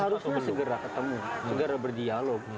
harus segera ketemu segera berdialog